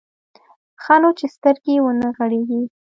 ښه نو چې سترګې ونه غړېږي.